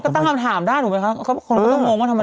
ต้องกำทำถามได้ตรงไหนครับเขาต้องงงว่าทำไมทำไม